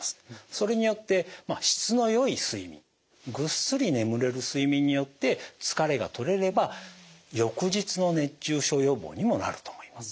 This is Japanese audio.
それによって質のよい睡眠ぐっすり眠れる睡眠によって疲れが取れれば翌日の熱中症予防にもなると思います。